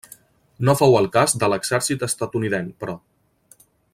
No fou el cas de l'exèrcit estatunidenc, però.